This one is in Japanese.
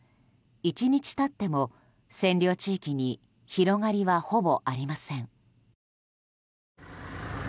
１日経っても占領地域に広がりはほぼありません。